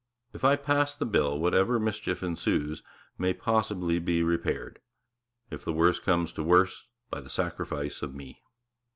'If I pass the Bill, whatever mischief ensues may possibly be repaired, if the worst comes to the worst, by the sacrifice of me.